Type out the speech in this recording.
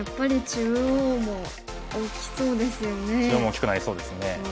中央も大きくなりそうですね。